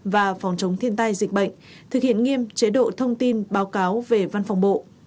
và phòng chống thiên tai dịch bệnh thực hiện nghiêm chế độ thông tin báo cáo về văn phòng bộ